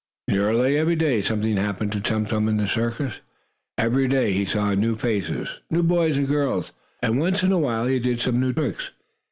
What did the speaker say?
Nearly every day something new happened to Tum Tum in the circus. Every day he saw new faces, new boys and girls and once in a while, he did some new tricks.